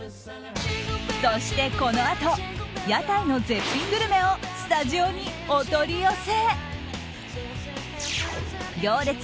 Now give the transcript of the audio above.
そしてこのあと屋台の絶品グルメをスタジオにお取り寄せ。